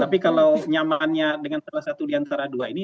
tapi kalau nyamannya dengan salah satu diantara dua ini